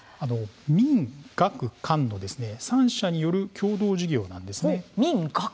民・学・官の３者による共同事業なんです。